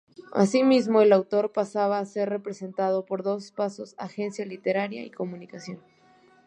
Asimismo, el autor pasaba a ser representado por Dos Passos Agencia Literaria y Comunicación.